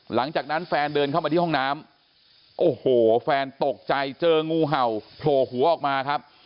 หลังจากนั้นแฟนเดินเข้ามาที่ห้องน้ำโอ้โหแฟนตกใจเจองูเห่าโผล่หัวออกมาครับ